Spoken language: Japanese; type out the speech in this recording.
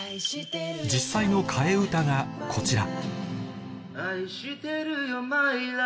実際の替え歌がこちら